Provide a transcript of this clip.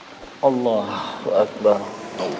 karena tia setting ilmu